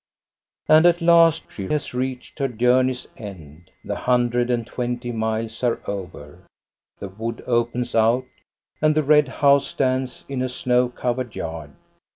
And at last she has reached her journey's end, the l80 THE STORY OF GOSTA BE RUNG hundred and twenty miles are over, the wood opens out, and the red house stands in a snow covered yard.